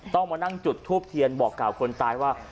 ต้องมานั่งจุดทูบเทียนบอกกล่าวคนตายว่า